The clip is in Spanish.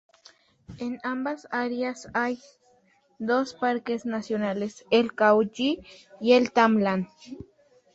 En ambas áreas hay dos parques nacionales: el Khao Yai y el Tap Lan.